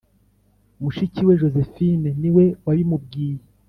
mushiki we josephine niwe wabimubwiye,